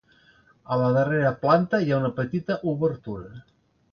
A la darrera planta, hi ha una petita obertura.